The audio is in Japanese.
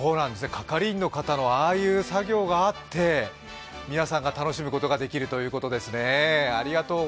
係員の方の作業があって皆さんが楽しむことができるということですね。